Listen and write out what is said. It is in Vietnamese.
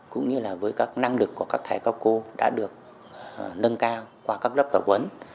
cũng như là với các năng lực của các thầy cao cô đã được nâng cao qua các lớp tổ quấn